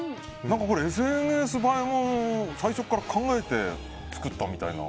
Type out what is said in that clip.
ＳＮＳ映えも最初から考えて作ったみたいな。